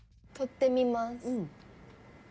撮ってみます。